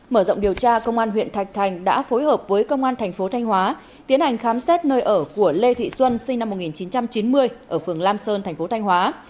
mở rộng điều tra công an huyện thạch thành đã phối hợp với công an thành phố thanh hóa tiến hành khám xét nơi ở của lê thị xuân sinh năm một nghìn chín trăm chín mươi ở phường lam sơn thành phố thanh hóa